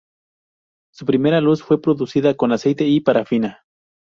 Su primera luz fue producida con aceite y parafina.